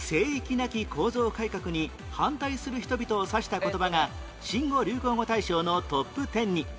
なき構造改革に反対する人々を指した言葉が新語・流行語大賞のトップテンに